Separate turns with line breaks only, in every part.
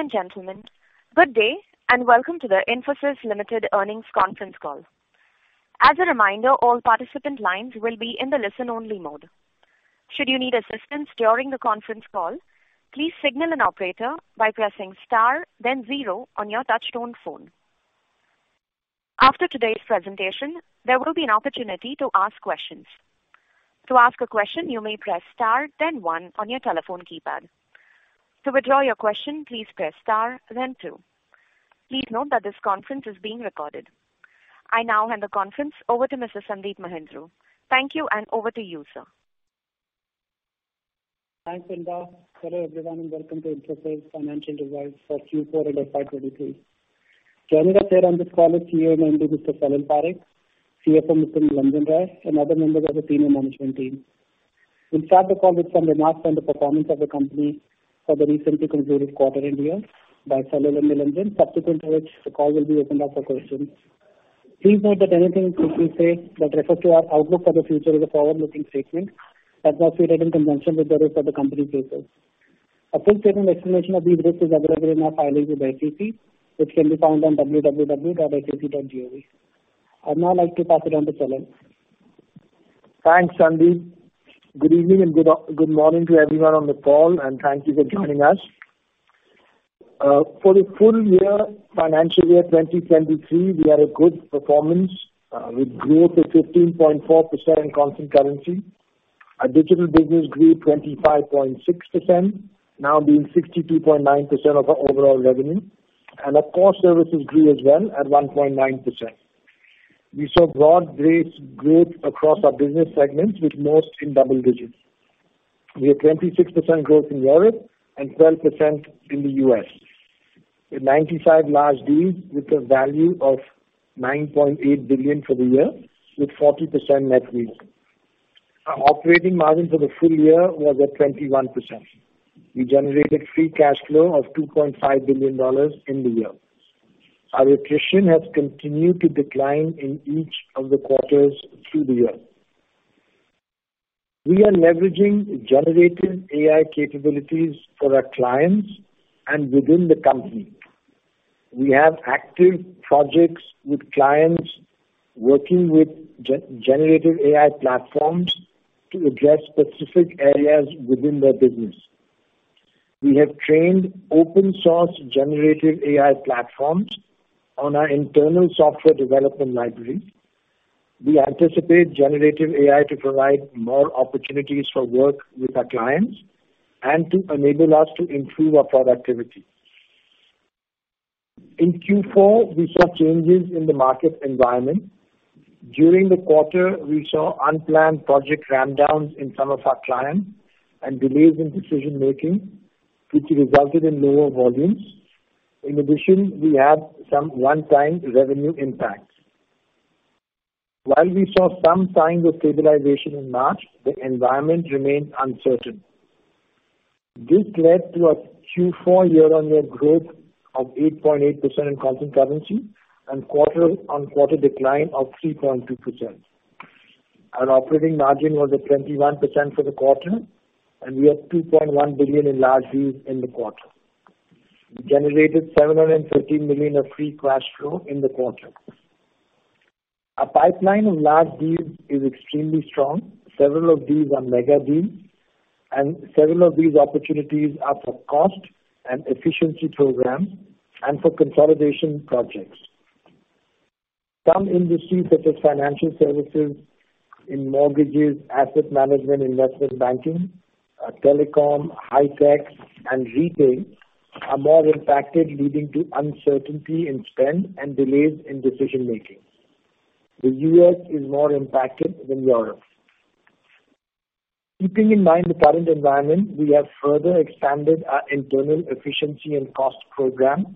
Ladies and gentlemen, good day and welcome to the Infosys Limited Earnings Conference Call. As a reminder, all participant lines will be in the listen-only mode. Should you need assistance during the conference call, please signal an operator by pressing star then zero on your touchtone phone. After today's presentation, there will be an opportunity to ask questions. To ask a question, you may press star then one on your telephone keypad. To withdraw your question, please press star then two. Please note that this conference is being recorded. I now hand the conference over to Mr. Sandeep Mahindroo. Thank you, and over to you, sir.
Thanks, Inder. Hello, everyone, welcome to Infosys Financial Results for Q4 and FY 2023. Joining us here on this call is CEO, Mr. Salil Parekh, CFO Mr. Nilanjan Roy, and other members of the team and management team. We'll start the call with some remarks on the performance of the company for the recently concluded quarter and year by Salil and Nilanjan, subsequent to which the call will be opened up for questions. Please note that anything which we say that refers to our outlook for the future is a forward-looking statement that's not fitted in conjunction with the rest of the company's papers. A full statement explanation of these risks is available in our filings with SEC, which can be found on www.sec.gov. I'd now like to pass it on to Salil.
Thanks, Sandeep. Good evening and good morning to everyone on the call, and thank you for joining us. For the full year, financial year 2023, we had a good performance, with growth of 15.4% in constant currency. Our digital business grew 25.6%, now being 62.9% of our overall revenue. Our core services grew as well at 1.9%. We saw broad-based growth across our business segments, with most in double digits. We had 26% growth in Europe and 12% in the U.S. We had 95 large deals with a value of $9.8 billion for the year, with 40% net new. Our operating margin for the full year was at 21%. We generated free cash flow of $2.5 billion in the year. Our attrition has continued to decline in each of the quarters through the year. We are leveraging generative AI capabilities for our clients and within the company. We have active projects with clients working with generative AI platforms to address specific areas within their business. We have trained open source generative AI platforms on our internal software development library. We anticipate generative AI to provide more opportunities for work with our clients and to enable us to improve our productivity. In Q4, we saw changes in the market environment. During the quarter, we saw unplanned project ramp downs in some of our clients and delays in decision-making, which resulted in lower volumes. We had some one-time revenue impacts. While we saw some signs of stabilization in March, the environment remained uncertain. This led to a Q4 year-on-year growth of 8.8% in constant currency and quarter-on-quarter decline of 3.2%. Our operating margin was at 21% for the quarter, and we had $2.1 billion in large deals in the quarter. We generated $750 million of free cash flow in the quarter. Our pipeline of large deals is extremely strong. Several of these are mega deals, and several of these opportunities are for cost and efficiency programs and for consolidation projects. Some industries, such as financial services in mortgages, asset management, investment banking, telecom, high tech and retail, are more impacted, leading to uncertainty in spend and delays in decision making. The U.S. is more impacted than Europe. Keeping in mind the current environment, we have further expanded our internal efficiency and cost program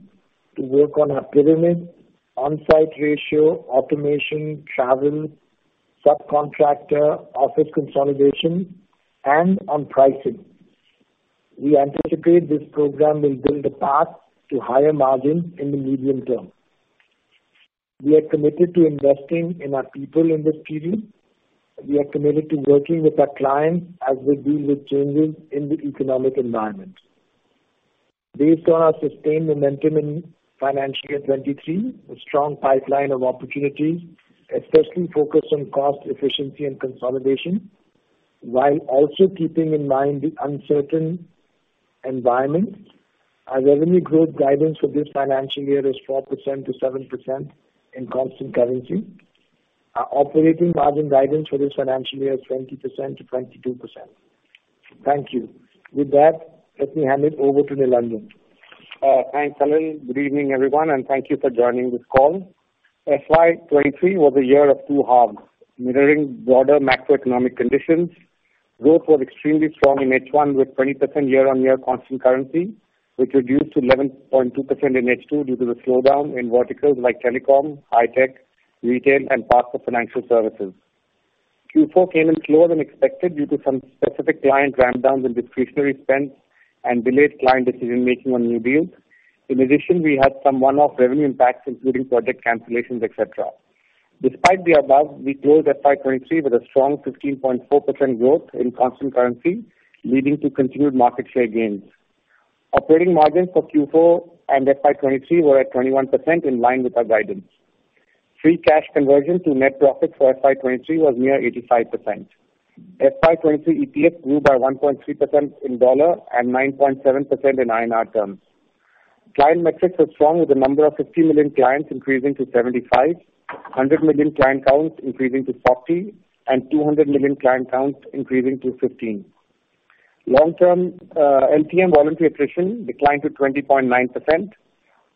to work on our pyramid, onsite ratio, automation, travel, subcontractor, office consolidation, and on pricing. We anticipate this program will build a path to higher margins in the medium term. We are committed to investing in our people in this period. We are committed to working with our clients as we deal with changes in the economic environment. Based on our sustained momentum in financial year 2023, a strong pipeline of opportunities, especially focused on cost efficiency and consolidation, while also keeping in mind the uncertain environment, our revenue growth guidance for this financial year is 4%-7% in constant currency. Our operating margin guidance for this financial year is 20%-22%. Thank you. With that, let me hand it over to Nilanjan.
Thanks, Salil. Good evening, everyone, and thank you for joining this call. FY 2023 was a year of two halves. Mirroring broader macroeconomic conditions, growth was extremely strong in H1 with 20% year-on-year constant currency, which reduced to 11.2% in H2 due to the slowdown in verticals like telecom, high tech, retail and parts of financial services. Q4 came in slower than expected due to some specific client ramp-downs in discretionary spend and delayed client decision making on new deals. We had some one-off revenue impacts, including project cancellations, et cetera. Despite the above, we closed FY 2023 with a strong 15.4% growth in constant currency, leading to continued market share gains. Operating margins for Q4 and FY 2023 were at 21% in line with our guidance. Free cash conversion to net profit for FY 2023 was near 85%. FY 2023 EPS grew by 1.3% in dollar and 9.7% in INR terms. Client metrics were strong, with the number of $50 million clients increasing to 75, 100 million client count increasing to 40, and 200 million client counts increasing to 15. Long-term LTM voluntary attrition declined to 20.9%.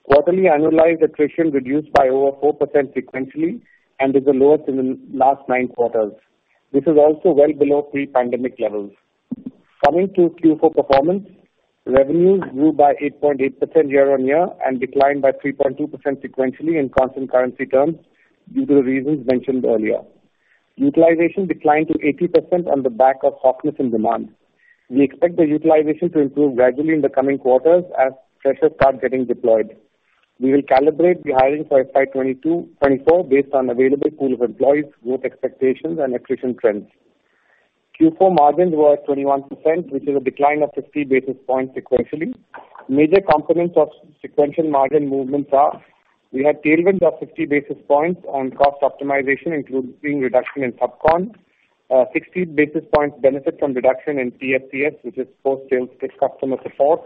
Quarterly annualized attrition reduced by over 4% sequentially and is the lowest in the last nine quarters. This is also well below pre-pandemic levels. Coming to Q4 performance, revenues grew by 8.8% year-on-year and declined by 3.2% sequentially in constant currency terms due to the reasons mentioned earlier. Utilization declined to 80% on the back of softness in demand. We expect the utilization to improve gradually in the coming quarters as pressures start getting deployed. We will calibrate the hiring for FY 2024 based on available pool of employees, growth expectations and attrition trends. Q4 margins were at 21%, which is a decline of 50 basis points sequentially. Major components of sequential margin movements are: we had tailwind of 50 basis points on cost optimization, including reduction in subcon, 60 basis points benefit from reduction in TCTS, which is post-sales customer support,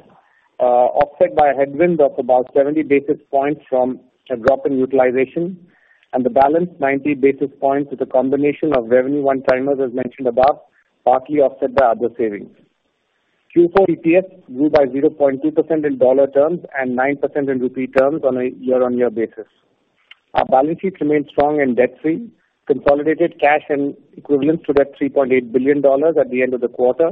offset by a headwind of about 70 basis points from a drop in utilization. The balance, 90 basis points is a combination of revenue one-timers, as mentioned above, partly offset by other savings. Q4 EPS grew by 0.2% in dollar terms and 9% in rupee terms on a year-on-year basis. Our balance sheets remain strong and debt-free. Consolidated cash and equivalents stood at $3.8 billion at the end of the quarter.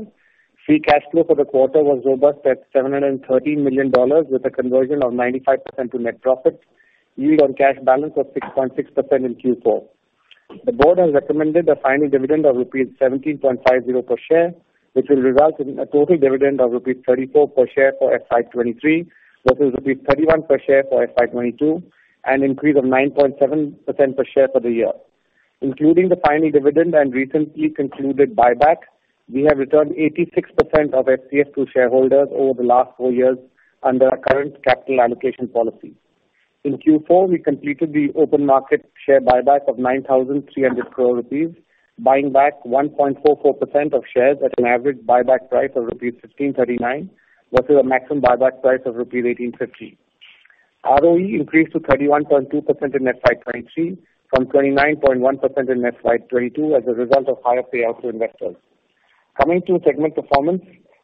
Free cash flow for the quarter was robust at $713 million, with a conversion of 95% to net profits. Yield on cash balance was 6.6% in Q4. The board has recommended a final dividend of rupees 17.50 per share, which will result in a total dividend of rupees 34 per share for FY 2023 versus rupees 31 per share for FY 2022, an increase of 9.7% per share for the year. Including the final dividend and recently concluded buyback, we have returned 86% of FCF to shareholders over the last four years under our current capital allocation policy. In Q4, we completed the open market share buyback of 9,300 crore rupees, buying back 1.44% of shares at an average buyback price of rupees 1,539 versus a maximum buyback price of rupees 1,850. ROE increased to 31.2% in FY 2023 from 29.1% in FY 2022 as a result of higher payouts to investors. Coming to segment performance.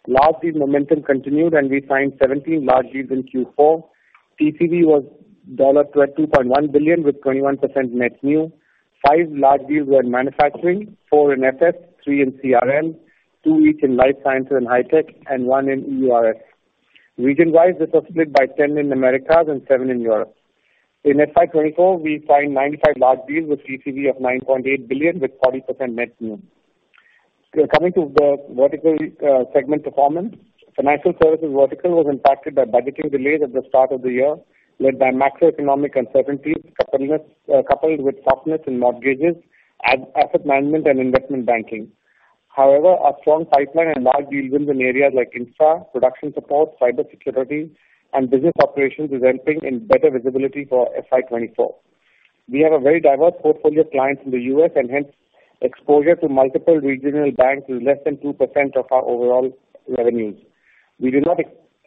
Large deal momentum continued and we signed 17 large deals in Q4. TCV was $22.1 billion with 21% net new. Five large deals were in manufacturing, four in SS, three in CRM, two each in life sciences and high tech, and one in EURS. Region-wise, this was split by 10 in Americas and seven in Europe. In FY 2024, we signed 95 large deals with TCV of $9.8 billion with 40% net new. Coming to the vertical segment performance. Financial services vertical was impacted by budgeting delays at the start of the year, led by macroeconomic uncertainties, coupled with softness in mortgages, asset management and investment banking. Our strong pipeline and large deal wins in areas like infra, production support, cybersecurity and business operations is helping in better visibility for FY 2024. We have a very diverse portfolio of clients in the U.S. and hence, exposure to multiple regional banks is less than 2% of our overall revenues. We do not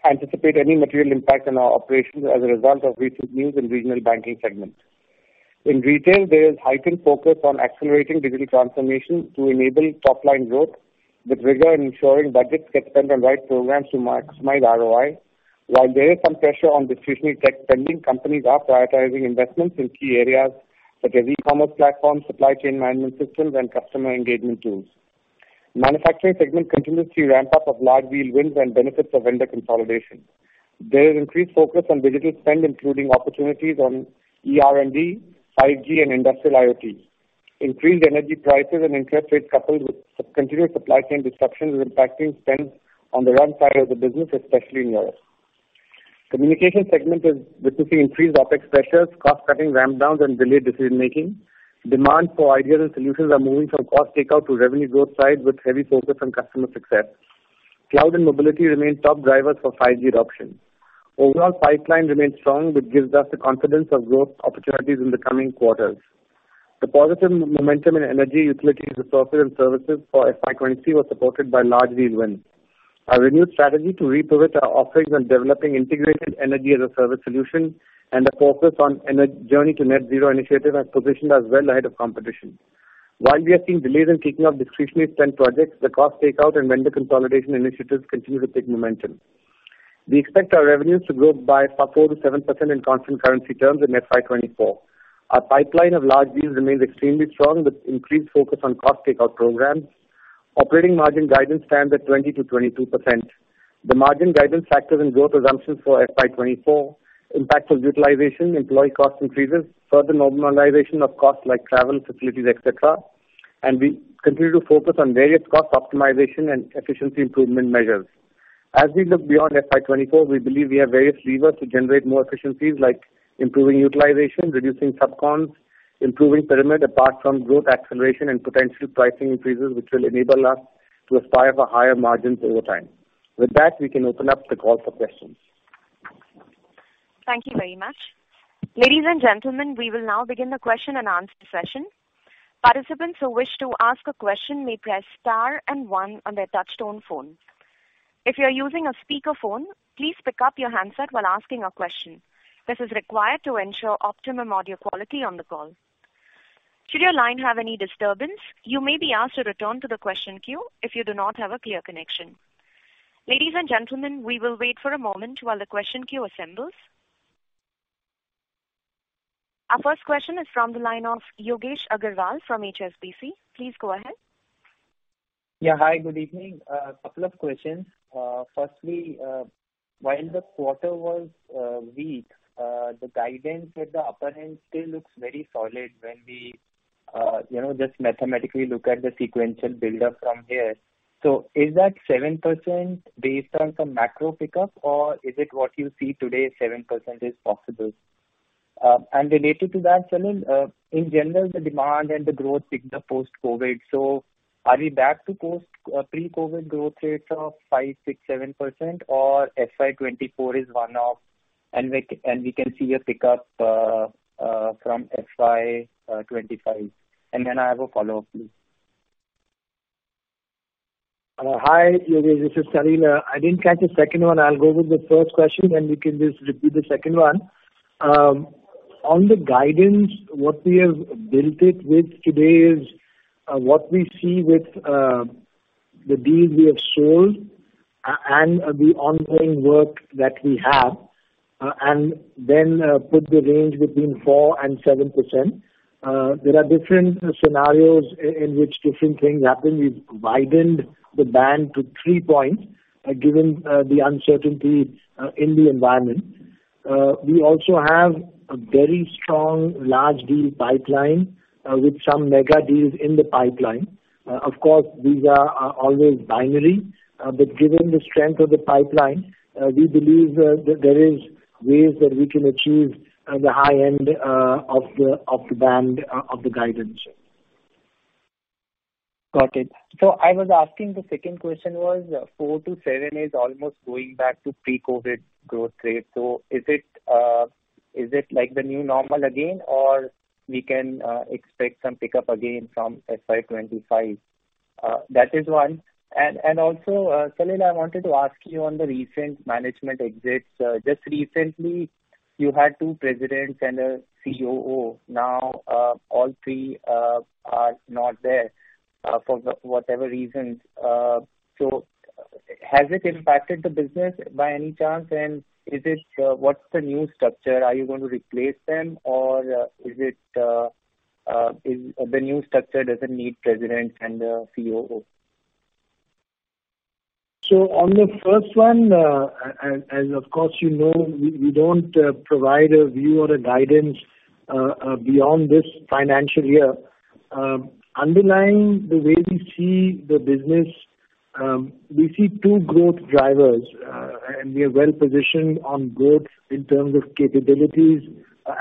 anticipate any material impact on our operations as a result of recent news in regional banking segment. In retail, there is heightened focus on accelerating digital transformation to enable top-line growth with rigor in ensuring budgets get spent on right programs to maximize ROI. While there is some pressure on discretionary tech spending, companies are prioritizing investments in key areas such as e-commerce platforms, supply chain management systems and customer engagement tools. Manufacturing segment continues to see ramp up of large deal wins and benefits of vendor consolidation. There is increased focus on digital spend, including opportunities on ER&D, 5G and Industrial IoT. Increased energy prices and interest rates, coupled with sub-continued supply chain disruptions, is impacting spend on the run side of the business, especially in Europe. Communication segment is witnessing increased OpEx pressures, cost-cutting ramp downs and delayed decision-making. Demand for ideal solutions are moving from cost takeout to revenue growth side with heavy focus on customer success. Cloud and mobility remain top drivers for 5G adoption. Overall pipeline remains strong, which gives us the confidence of growth opportunities in the coming quarters. The positive momentum in energy, utilities, resources and services for FY 2023 was supported by large deal wins. Our renewed strategy to repivot our offerings and developing integrated energy-as-a-service solution and a focus on journey to net zero initiative has positioned us well ahead of competition. While we are seeing delays in kicking off discretionary spend projects, the cost takeout and vendor consolidation initiatives continue to pick momentum. We expect our revenues to grow by 4%-7% in constant currency terms in FY 2024. Our pipeline of large deals remains extremely strong with increased focus on cost takeout programs. Operating margin guidance stands at 20%-22%. The margin guidance factors in growth assumptions for FY 2024, impact of utilization, employee cost increases, further normalization of costs like travel, utilities, et cetera. We continue to focus on various cost optimization and efficiency improvement measures. As we look beyond FY 2024, we believe we have various levers to generate more efficiencies like improving utilization, reducing subcons, improving pyramid, apart from growth acceleration and potential pricing increases which will enable us to aspire for higher margins over time. With that, we can open up the call for questions.
Thank you very much. Ladies and gentlemen, we will now begin the question and answer session. Participants who wish to ask a question may press star and 1 on their touchtone phone. If you're using a speakerphone, please pick up your handset while asking a question. This is required to ensure optimum audio quality on the call. Should your line have any disturbance, you may be asked to return to the question queue if you do not have a clear connection. Ladies and gentlemen, we will wait for a moment while the question queue assembles. Our first question is from the line of Yogesh Aggarwal from HSBC. Please go ahead.
Yeah. Hi, good evening. A couple of questions. Firstly, while the quarter was weak, the guidance at the upper end still looks very solid when we, you know, just mathematically look at the sequential build up from here. Is that 7% based on some macro pickup or is it what you see today, 7% is possible? Related to that, Salil, in general, the demand and the growth picked up post-COVID. Are we back to pre-COVID growth rates of 5%, 6%, 7% or FY 2024 is one-off and we can see a pickup from FY 2025. I have a follow-up please.
Hi, Yogesh. This is Salil. I didn't catch the second one. I'll go with the first question, and you can just repeat the second one. On the guidance, what we have built it with today is what we see with the deals we have sold and the ongoing work that we have, and then put the range between 4% and 7%. There are different scenarios in which different things happen. We've widened the band to 3 points, given the uncertainty in the environment. We also have a very strong large deal pipeline, with some mega deals in the pipeline. Of course, these are always binary, but given the strength of the pipeline, we believe that there is ways that we can achieve the high end of the band of the guidance.
Got it. I was asking the second question was 4%-7% is almost going back to pre-COVID growth rate. Is it like the new normal again or we can expect some pickup again from FY 2025? That is one. Also, Salil, I wanted to ask you on the recent management exits. Just recently you had two presidents and a COO. Now, all three are not there for the whatever reasons. Has it impacted the business by any chance? Is it what's the new structure? Are you going to replace them or is it is the new structure doesn't need presidents and a COO?
On the first one, as of course you know, we don't provide a view or a guidance beyond this financial year. Underlying the way we see the business, we see two growth drivers. We are well positioned on growth in terms of capabilities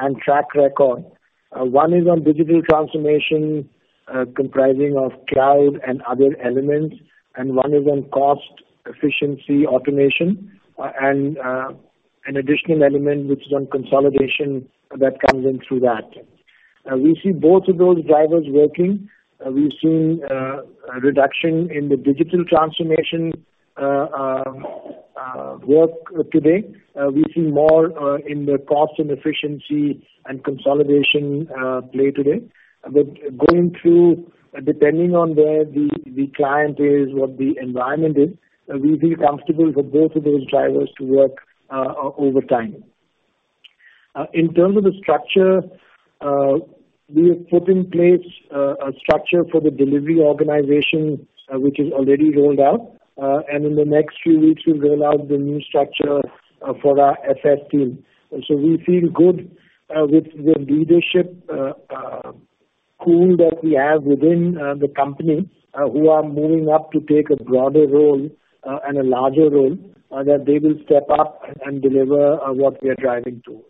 and track record. One is on digital transformation, comprising of cloud and other elements, and one is on cost efficiency automation, and an additional element which is on consolidation that comes in through that. We see both of those drivers working. We've seen a reduction in the digital transformation work today. We see more in the cost and efficiency and consolidation play today. Going through, depending on where the client is, what the environment is, we feel comfortable for both of those drivers to work over time. In terms of the structure, we have put in place a structure for the delivery organization, which is already rolled out. In the next few weeks we'll roll out the new structure for our SS team. We feel good with the leadership pool that we have within the company, who are moving up to take a broader role and a larger role, that they will step up and deliver what we are driving to.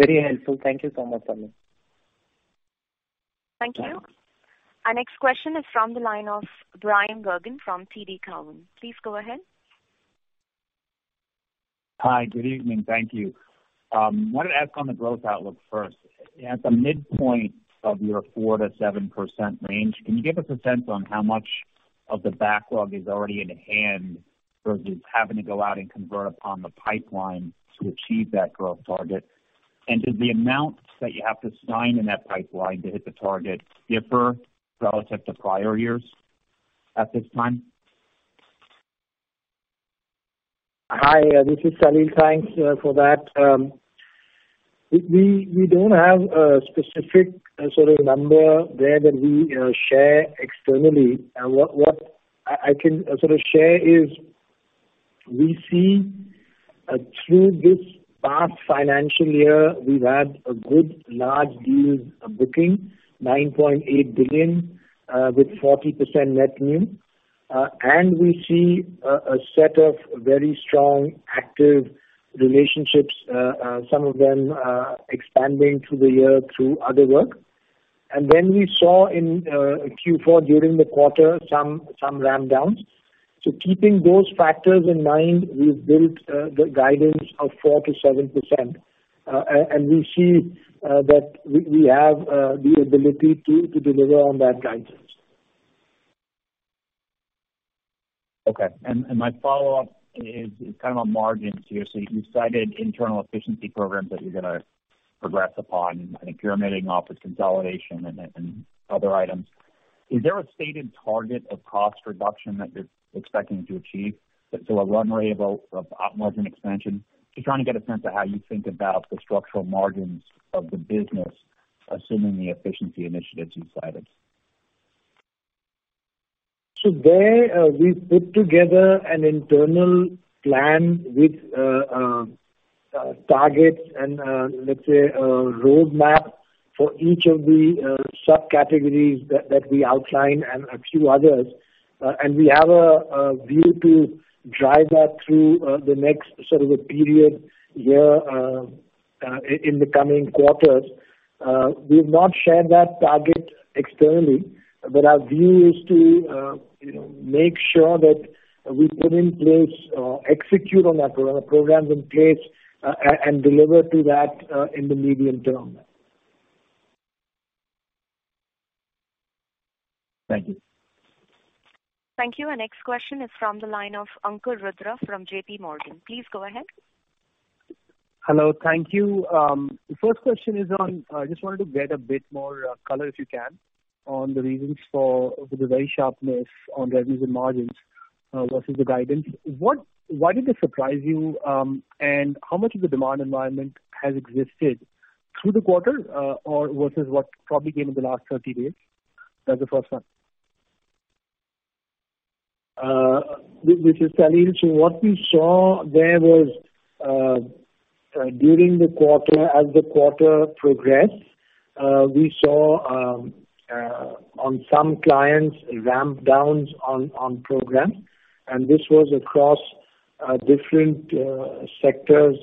Very helpful. Thank you so much, Salil.
Thank you. Our next question is from the line of Bryan Bergin from TD Cowen. Please go ahead.
Hi. Good evening. Thank you. Wanted to ask on the growth outlook first. At the midpoint of your 4%-7% range, can you give us a sense on how much of the backlog is already in hand versus having to go out and convert upon the pipeline to achieve that growth target? Do the amounts that you have to sign in that pipeline to hit the target differ relative to prior years at this time?
Hi, this is Salil. Thanks for that. We don't have a specific sort of number there that we share externally. What I can sort of share is: We see through this past financial year, we've had a good large deals booking, $9.8 billion with 40% net new. We see a set of very strong active relationships, some of them expanding through the year through other work. And then we saw in Q4 during the quarter some ramp downs. Keeping those factors in mind, we've built the guidance of 4%-7%. We see that we have the ability to deliver on that guidance.
Okay. My follow-up is kind of on margins here. You cited internal efficiency programs that you're going to progress upon and I think you're omitting office consolidation and other items. Is there a stated target of cost reduction that you're expecting to achieve? Is there a runway about for op margin expansion? Just trying to get a sense of how you think about the structural margins of the business, assuming the efficiency initiatives you cited.
There, we've put together an internal plan with targets and, let's say a roadmap for each of the subcategories that we outlined and a few others. We have a view to drive that through the next sort of a period year in the coming quarters. We've not shared that target externally, but our view is to, you know, make sure that we put in place, execute on that program, programs in place, and deliver to that in the medium term.
Thank you.
Thank you. Our next question is from the line of Ankur Rudra from J.P. Morgan. Please go ahead.
Hello. Thank you. The first question is on, I just wanted to get a bit more color, if you can, on the reasons for the very sharpness on revenues and margins versus the guidance. Why did this surprise you? How much of the demand environment has existed through the quarter, or versus what probably came in the last 30 days? That's the first one.
This is Salil. What we saw there was during the quarter, as the quarter progressed, we saw on some clients ramp downs on programs, and this was across different sectors,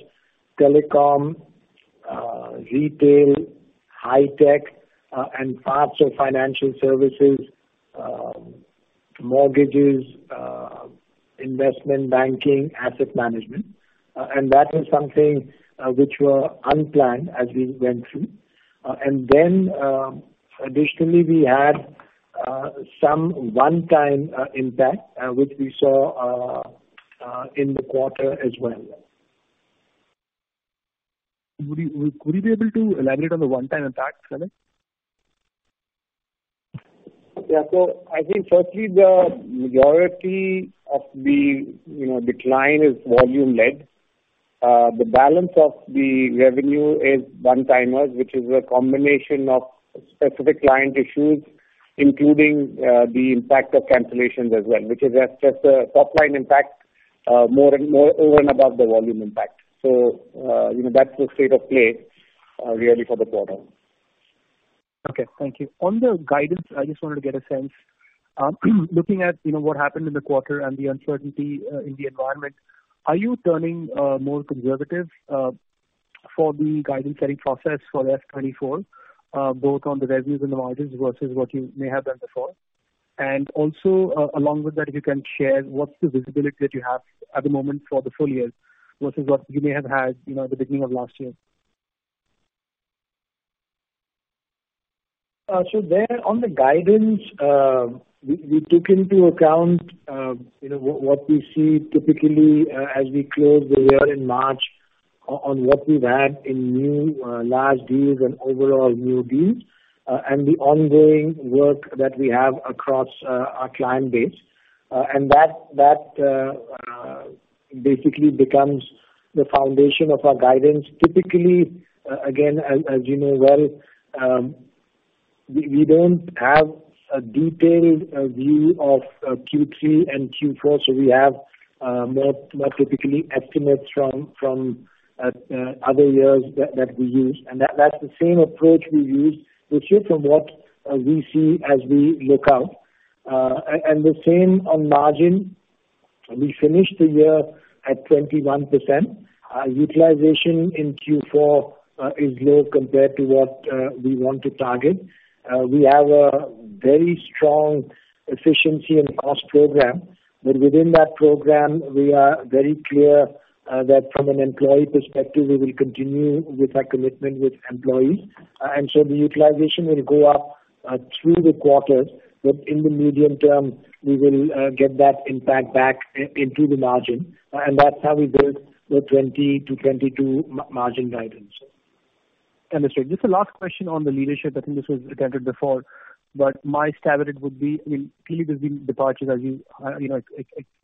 telecom, retail, high tech, and parts of financial services, mortgages, investment banking, asset management. That is something which were unplanned as we went through. Then, additionally, we had some one-time impact which we saw in the quarter as well.
Would you be able to elaborate on the one-time impact, Salil?
Yeah. I think firstly the majority of the, you know, decline is volume led. The balance of the revenue is one-timers, which is a combination of specific client issues, including, the impact of cancellations as well, which is just a top line impact, more and more over and above the volume impact. You know, that's the state of play, really for the quarter.
Okay. Thank you. On the guidance, I just wanted to get a sense. Looking at, you know, what happened in the quarter and the uncertainty in the environment, are you turning more conservative for the guidance setting process for FY 2024, both on the revenues and the margins versus what you may have done before? Also, along with that, if you can share what's the visibility that you have at the moment for the full year versus what you may have had, you know, at the beginning of last year?
There on the guidance, we took into account, you know, what we see typically, as we close the year in March on what we've had in new large deals and overall new deals, and the ongoing work that we have across our client base. That basically becomes the foundation of our guidance. Typically, again, as you know well, we don't have a detailed view of Q3 and Q4, so we have more typically estimates from other years that we use. That's the same approach we use this year from what we see as we look out. The same on margin. We finished the year at 21%. Utilization in Q4 is low compared to what we want to target. We have a very strong efficiency and cost program, but within that program, we are very clear that from an employee perspective, we will continue with our commitment with employees. The utilization will go up through the quarter, but in the medium term, we will get that impact back into the margin. That's how we build the 20%-22% margin guidance.
Understood. Just the last question on the leadership. I think this was attempted before, but my stab at it would be, I mean, clearly there's been departures as you know,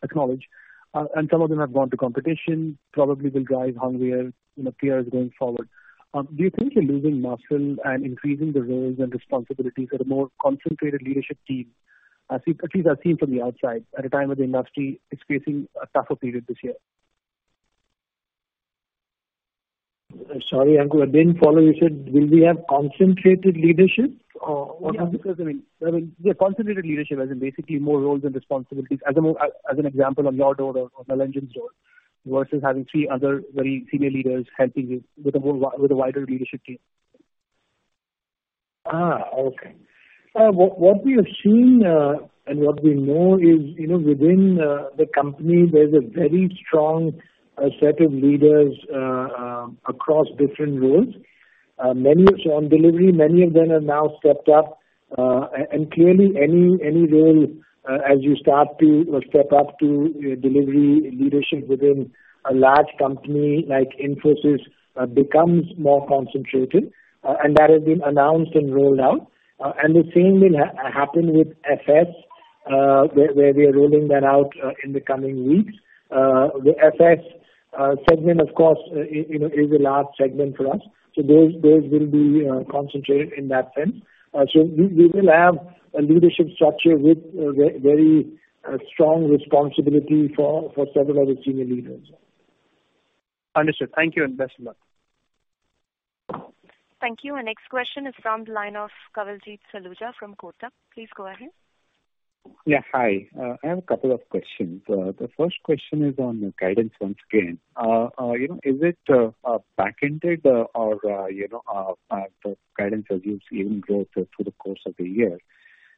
acknowledge. Some of them have gone to competition, probably will drive hungrier, you know, peers going forward. Do you think you're losing muscle and increasing the roles and responsibilities at a more concentrated leadership team? At least I've seen from the outside at a time where the industry is facing a tougher period this year.
Sorry, Ankur, I didn't follow. You said will we have concentrated leadership? What was the question?
Yeah. I mean, yeah, concentrated leadership, as in basically more roles and responsibilities as an example of your role or Nilanjan's role versus having three other very senior leaders helping you with the wider leadership team.
Okay. What we have seen, and what we know is, you know, within the company, there's a very strong set of leaders across different roles. Many. So on delivery, many of them have now stepped up. And clearly any role, as you start to or step up to, you know, delivery leadership within a large company like Infosys, becomes more concentrated. That has been announced and rolled out. And the same will happen with FS, where we are rolling that out in the coming weeks. The FS segment, of course, you know, is a large segment for us. Those will be concentrated in that sense. We will have a leadership structure with a very strong responsibility for several other senior leaders.
Understood. Thank you, and best of luck.
Thank you. Our next question is from the line of Kawaljeet Saluja from Kotak. Please go ahead.
Yeah, hi. I have a couple of questions. The first question is on guidance once again. You know, is it back-ended or, you know, the guidance as you even grow through the course of the year?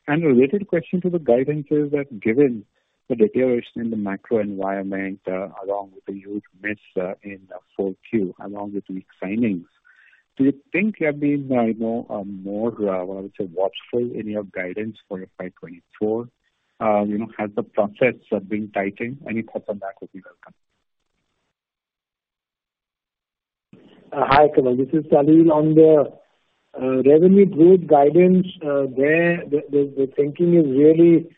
A related question to the guidance is that given the deterioration in the macro environment, along with the huge miss, in 4Q, along with weak signings, do you think you are being, you know, more, I would say watchful in your guidance for FY 2024? You know, have the process been tightened? Any thoughts on that would be welcome.
Hi, Kawaljeet. This is Salil. On the revenue growth guidance, there the thinking is really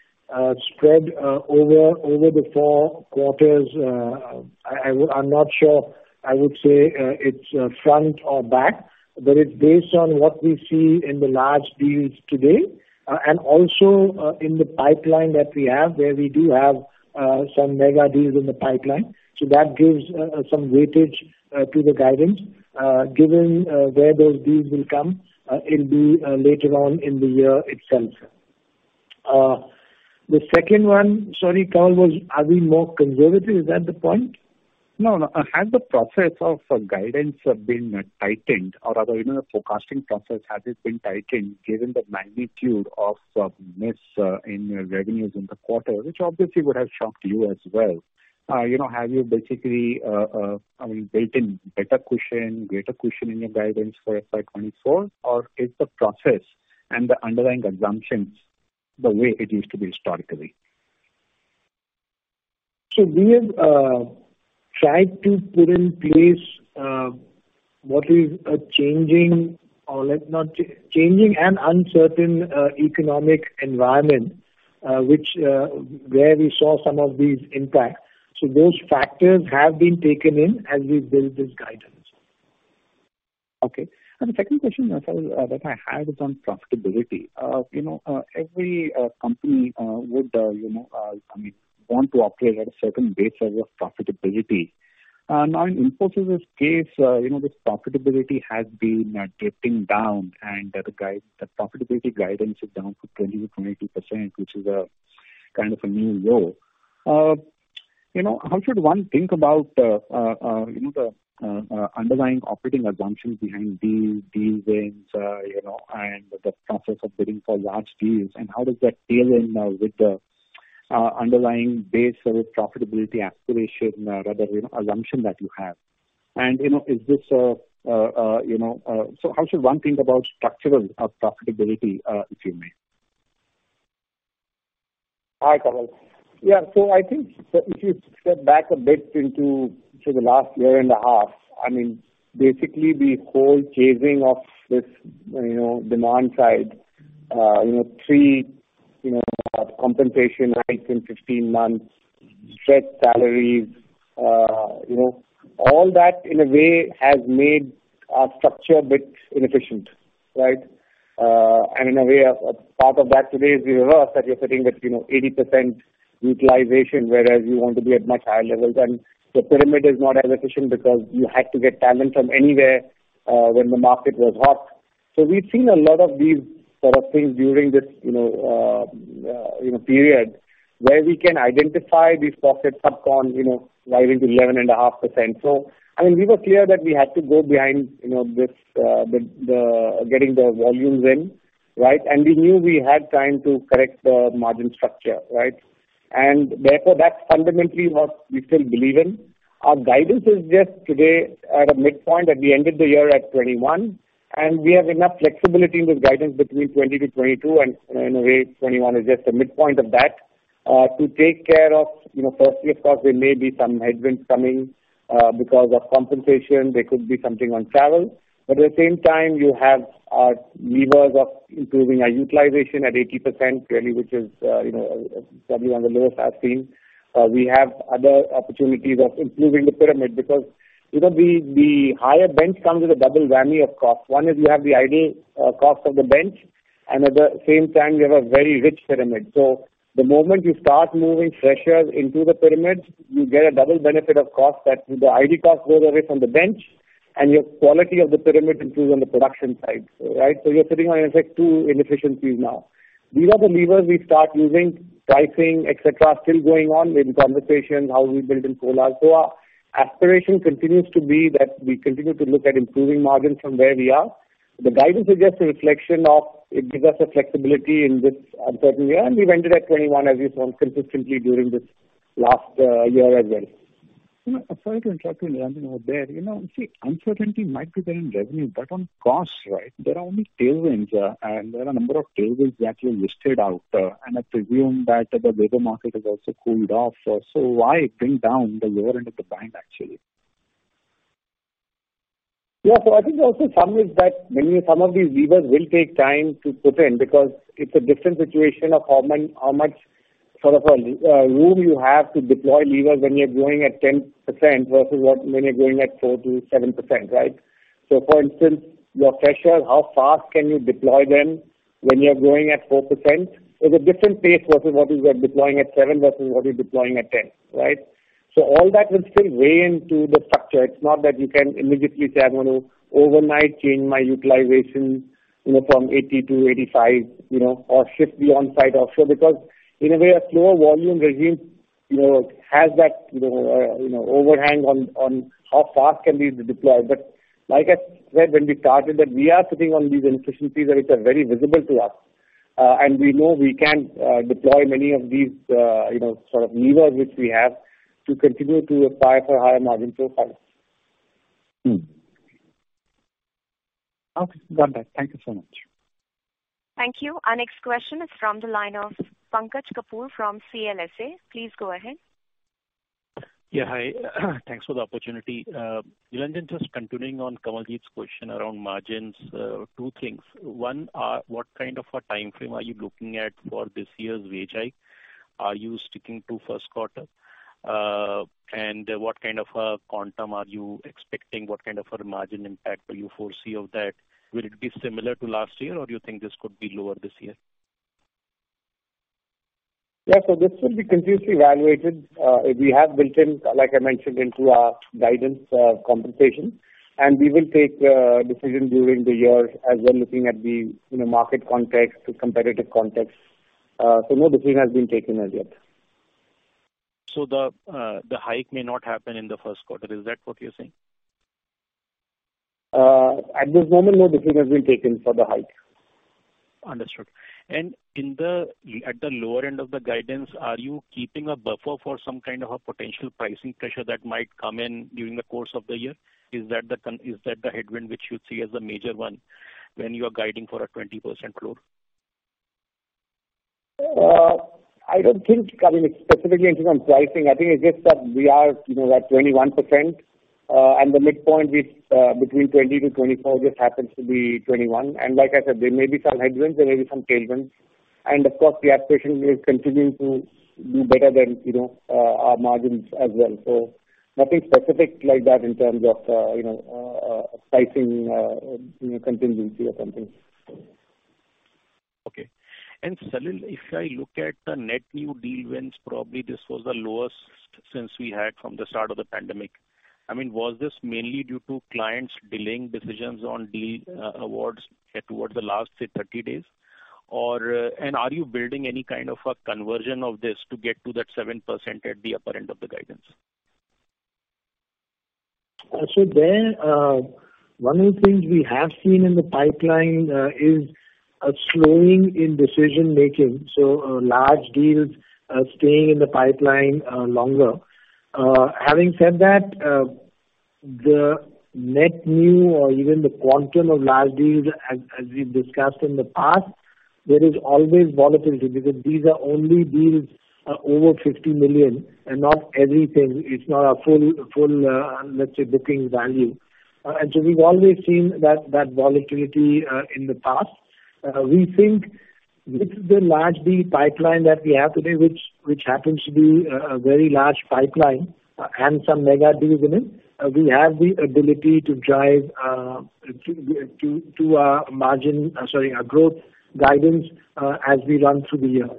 spread over the four quarters. I'm not sure I would say it's front or back, but it's based on what we see in the large deals today, and also in the pipeline that we have, where we do have some mega deals in the pipeline. That gives some weightage to the guidance given where those deals will come. It'll be later on in the year itself. The second one. Sorry, Kawaljeet. Are we more conservative? Is that the point?
No, no. Has the process of guidance been tightened or rather, you know, the forecasting process, has it been tightened given the magnitude of the miss in revenues in the quarter, which obviously would have shocked you as well? You know, have you basically, I mean, built in better cushion, greater cushion in your guidance for FY 2024 or is the process and the underlying assumptions the way it used to be historically?
We have tried to put in place what is a changing or let's not changing and uncertain economic environment which where we saw some of these impacts. Those factors have been taken in as we build this guidance.
Okay. The second question I thought that I had was on profitability. You know, every company would, you know, I mean, want to operate at a certain base level of profitability. Now in Infosys' case, you know, the profitability has been drifting down and the profitability guidance is down to 20%-22%, which is a kind of a new low. You know, how should one think about, you know, the underlying operating assumptions behind deals, deal wins, you know, and the process of bidding for large deals, and how does that deal in with the underlying base or profitability aspiration, rather, you know, assumption that you have? You know, is this, you know... How should one think about structural profitability, if you may?
Hi, Kawaljeet. Yeah. I think if you step back a bit into sort of the last year and a half, I mean, basically the whole chasing of this, you know, demand side, you know, three, you know, compensation hikes in 15 months, set salaries, you know. All that in a way has made our structure a bit inefficient, right? In a way, part of that today is the reverse, that you're sitting with, you know, 80% utilization, whereas you want to be at much higher levels. The pyramid is not as efficient because you had to get talent from anywhere, when the market was hot. We've seen a lot of these sort of things during this, you know, you know, period, where we can identify these pockets of cost, you know, rising to 11.5%. I mean, we were clear that we had to go behind, you know, this, the getting the volumes in, right? We knew we had time to correct the margin structure, right? Therefore, that's fundamentally what we still believe in. Our guidance is just today at a midpoint at the end of the year at 21%, and we have enough flexibility in this guidance between 20%-22%. In a way, 21% is just the midpoint of that. To take care of, you know, firstly, of course, there may be some headwinds coming, because of compensation. There could be something on travel. At the same time, you have levers of improving our utilization at 80% really, which is, you know, probably on the lower side scene. We have other opportunities of improving the pyramid because, you know, the higher bench comes with a double whammy of cost. One is you have the idle cost of the bench. At the same time, we have a very rich pyramid. The moment you start moving freshers into the pyramid, you get a double benefit of cost that the ID cost goes away from the bench and your quality of the pyramid improves on the production side. Right? You're sitting on in fact two inefficiencies now. These are the levers we start using. Pricing, et cetera, are still going on with conversations, how we build in COLA. Our aspiration continues to be that we continue to look at improving margins from where we are. The guidance is just a reflection of it gives us the flexibility in this uncertain year, and we've entered at 21%, as you saw consistently during this last year as well.
You know, sorry to interrupt you, Nilanjan, over there. You know, see, uncertainty might be there in revenue, but on costs, right, there are only tailwinds. And there are a number of tailwinds that you listed out, and I presume that the labor market has also cooled off. So why bring down the lower end of the band, actually?
Yeah. I think also some of these levers will take time to put in because it's a different situation of how much sort of room you have to deploy levers when you're growing at 10% versus what when you're growing at 4%-7%, right? For instance, your freshers, how fast can you deploy them when you're growing at 4% is a different pace versus what is you are deploying at 7% versus what you're deploying at 10%, right? All that will still weigh into the structure. It's not that you can immediately say I'm gonna overnight change my utilization, you know, from 80-85, you know, or shift the on-site offshore. In a way, a slower volume regime, you know, has that, you know, you know, overhang on how fast can these deploy. Like I said when we started, that we are sitting on these inefficiencies and it's very visible to us. We know we can deploy many of these, you know, sort of levers which we have to continue to aspire for higher margin profiles.
Mm-hmm. Okay. Got that. Thank you so much.
Thank you. Our next question is from the line of Pankaj Kapoor from CLSA. Please go ahead.
Yeah. Hi. Thanks for the opportunity. Nilanjan, just continuing on Kawaljeet's question around margins. two things. One, what kind of a timeframe are you looking at for this year's wage hike? Are you sticking to first quarter? What kind of a quantum are you expecting? What kind of a margin impact do you foresee of that? Will it be similar to last year, or do you think this could be lower this year?
Yeah. This will be continuously evaluated. We have built in, like I mentioned, into our guidance, compensation, and we will take a decision during the year as we're looking at the, you know, market context, the competitive context. No decision has been taken as yet.
The hike may not happen in the first quarter. Is that what you're saying?
At this moment, no decision has been taken for the hike.
Understood. At the lower end of the guidance, are you keeping a buffer for some kind of a potential pricing pressure that might come in during the course of the year? Is that the headwind which you see as a major one when you are guiding for a 20% growth?
I don't think, I mean, specifically in terms of pricing. I think it's just that we are, you know, at 21%, and the midpoint is between 20%-24%, just happens to be 21%. Like I said, there may be some headwinds, there may be some tailwinds. Of course the aspiration is continuing to do better than, you know, our margins as well. Nothing specific like that in terms of, you know, pricing, you know, contingency or something.
Okay. Salil, if I look at the net new deal wins, probably this was the lowest since we had from the start of the pandemic. I mean, was this mainly due to clients delaying decisions on deal awards towards the last, say, 30 days? Are you building any kind of a conversion of this to get to that 7% at the upper end of the guidance?
There, one of the things we have seen in the pipeline, is a slowing in decision-making, so, large deals, staying in the pipeline, longer. Having said that, the net new or even the quantum of large deals as we've discussed in the past, there is always volatility because these are only deals, over $50 million and not everything. It's not a full, let's say, booking value. We've always seen that volatility, in the past. We think with the large deal pipeline that we have today, which happens to be a very large pipeline, and some mega deals in it, we have the ability to drive, to our margin... sorry, our growth guidance, as we run through the year.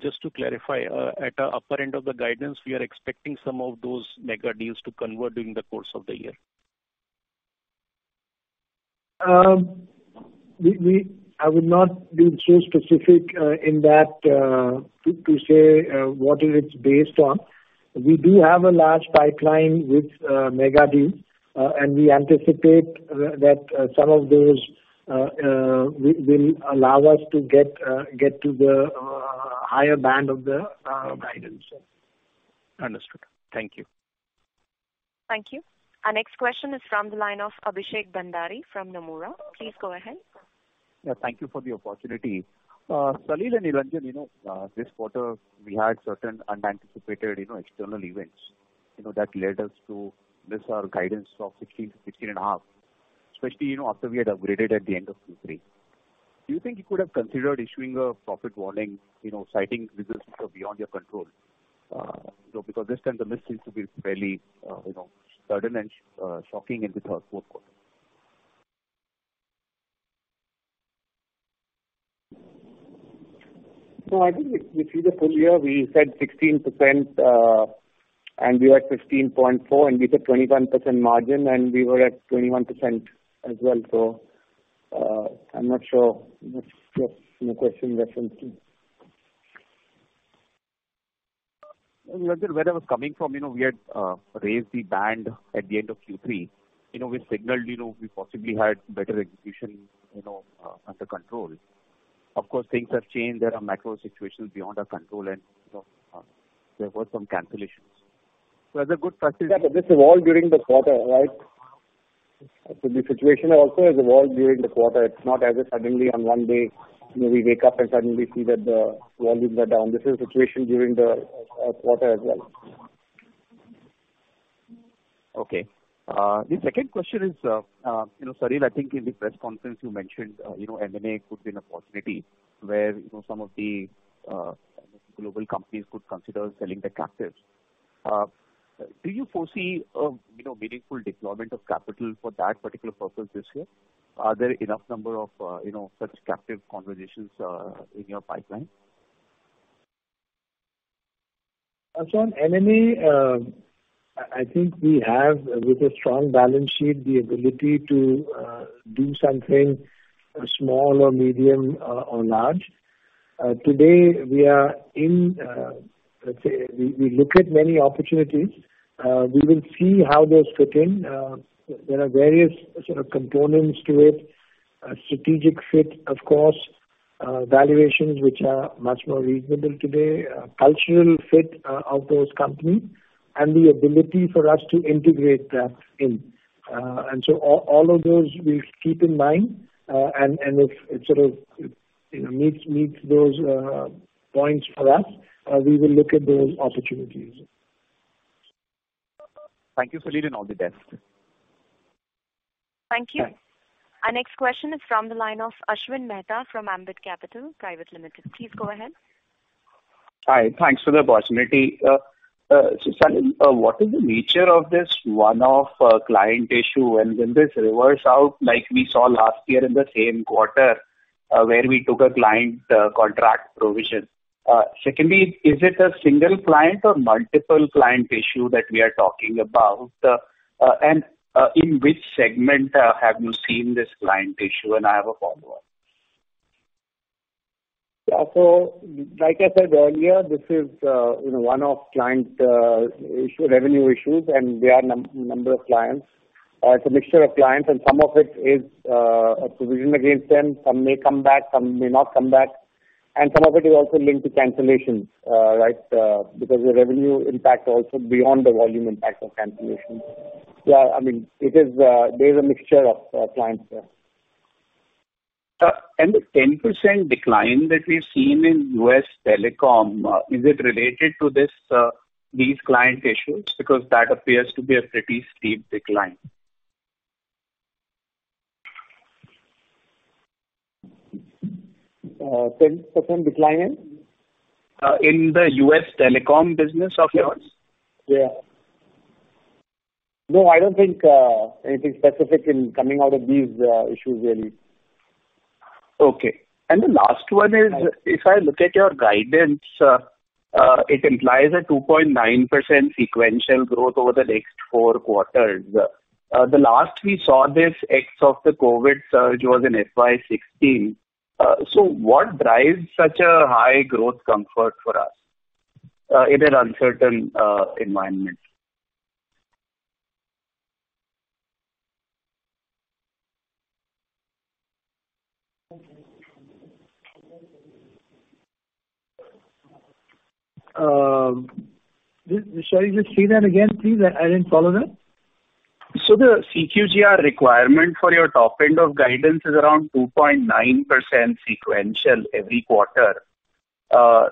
Just to clarify, at the upper end of the guidance, we are expecting some of those mega deals to convert during the course of the year?
I would not be too specific, in that, to say, what it is based on. We do have a large pipeline with mega deals. We anticipate that some of those will allow us to get to the higher band of the guidance.
Understood. Thank you.
Thank you. Our next question is from the line of Abhishek Bhandari from Nomura. Please go ahead.
Yeah. Thank you for the opportunity. Salil and Nilanjan, you know, this quarter we had certain unanticipated, you know, external events, you know, that led us to miss our guidance of 16%-16.5%, especially, you know, after we had upgraded at the end of Q3. Do you think you could have considered issuing a profit warning, you know, citing reasons that are beyond your control? because this time the miss seems to be fairly, you know, sudden and, shocking in the third, fourth quarter.
No, I think if you see the full year, we said 16%, and we are at 15.4%, and we said 21% margin, and we were at 21% as well. I'm not sure what's the question references.
No, I get where I was coming from. You know, we had raised the band at the end of Q3. You know, we signaled, you know, we possibly had better execution, you know, under control. Of course, things have changed. There are macro situations beyond our control and, you know, there were some cancellations. As a good practice.
Yeah, this evolved during the quarter, right? The situation also has evolved during the quarter. It's not as if suddenly on one day, you know, we wake up and suddenly see that the volumes are down. This is the situation during the quarter as well.
Okay. The second question is, you know, Salil, I think in this press conference you mentioned, you know, M&A could be an opportunity where, you know, some of the, you know, global companies could consider selling their captives. Do you foresee a, you know, meaningful deployment of capital for that particular purpose this year? Are there enough number of, you know, such captive conversations in your pipeline?
As on M&A, I think we have with a strong balance sheet the ability to do something small or medium or large. Today we are in. Let's say we look at many opportunities. We will see how those fit in. There are various sort of components to it. Strategic fit, of course, valuations which are much more reasonable today, cultural fit of those companies and the ability for us to integrate that in. All of those we keep in mind, and if it sort of, you know, meets those points for us, we will look at those opportunities.
Thank you, Salil, and all the best.
Thank you. Our next question is from the line of Ashwin Mehta from Ambit Capital Private Limited. Please go ahead.
Hi. Thanks for the opportunity. Salil, what is the nature of this one-off, client issue? Will this reverse out like we saw last year in the same quarter, where we took a client, contract provision? Secondly, is it a single client or multiple client issue that we are talking about? In which segment, have you seen this client issue? I have a follow-up.
Yeah. Like I said earlier, this is, you know, one-off client issue, revenue issues, and they are number of clients. It's a mixture of clients, and some of it is a provision against them. Some may come back, some may not come back, and some of it is also linked to cancellations, right, because the revenue impact also beyond the volume impact of cancellations. Yeah, I mean, it is there's a mixture of clients there.
The 10% decline that we've seen in U.S. telecom, is it related to this, these client issues? That appears to be a pretty steep decline.
10% decline in?
In the U.S. telecom business of yours.
Yeah. Yeah. No, I don't think anything specific in coming out of these issues really.
Okay. The last one is, if I look at your guidance, it implies a 2.9% sequential growth over the next four quarters. The last we saw this ex of the COVID surge was in FY 2016. What drives such a high growth comfort for us, in an uncertain, environment?
Sorry, just say that again, please. I didn't follow that.
The CQGR requirement for your top end of guidance is around 2.9% sequential every quarter.